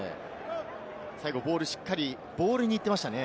最後、ボールしっかりボールに行っていましたね。